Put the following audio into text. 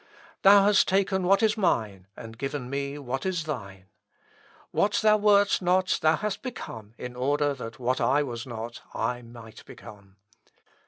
Thou hast taken what is mine, and given me what is thine. What thou wert not thou hast become, in order that what I was not I might become.'